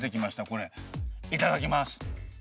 いただきます。